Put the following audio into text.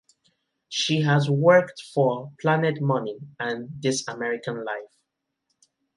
She has worked for "Planet Money" and "This American Life".